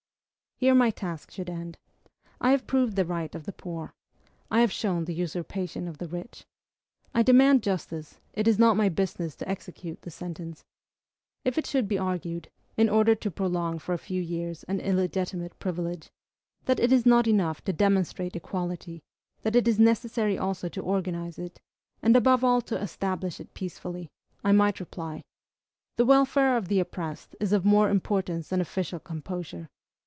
Here my task should end. I have proved the right of the poor; I have shown the usurpation of the rich. I demand justice; it is not my business to execute the sentence. If it should be argued in order to prolong for a few years an illegitimate privilege that it is not enough to demonstrate equality, that it is necessary also to organize it, and above all to establish it peacefully, I might reply: The welfare of the oppressed is of more importance than official composure.